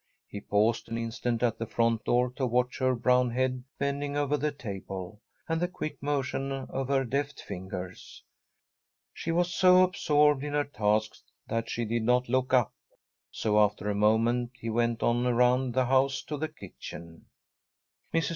He paused an instant at the front door to watch her brown head bending over the table, and the quick motion of her deft fingers. She was so absorbed in her task that she did not look up, so after a moment he went on around the house to the kitchen. Mrs.